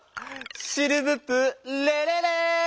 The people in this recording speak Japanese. シルヴプレレレ！